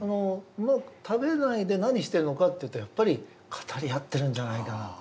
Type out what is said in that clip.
食べないで何してるのかっていうとやっぱり語り合ってるんじゃないかな。